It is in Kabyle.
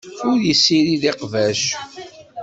Ur yessirid iqbac.